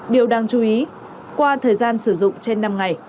điều đáng chú ý qua thời gian sử dụng trên năm ngày